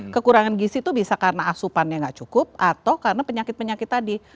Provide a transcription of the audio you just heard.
kekurangan gisi itu bisa karena asupannya nggak cukup atau karena penyakit penyakit tadi